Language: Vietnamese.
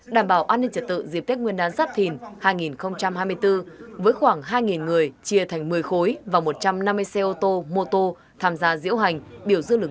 đảm bảo an ninh trật tự dịp tết nguyên đán giáp thìn hai nghìn hai mươi bốn với khoảng hai người chia thành một mươi khối và một trăm năm mươi xe ô tô mô tô tham gia diễu hành biểu dư lực lượng